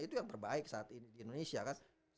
itu yang terbaik saat ini di indonesia kan